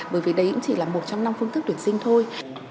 bởi vì đấy cũng chỉ là một trong năm phương thức tuyển sinh thôi